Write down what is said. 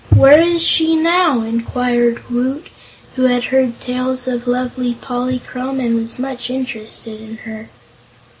"Where is she now?" inquired Woot, who had heard tales of lovely Polychrome and was much interested in her.